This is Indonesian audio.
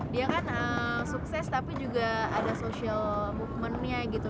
dia kan sukses tapi juga ada social movement nya gitu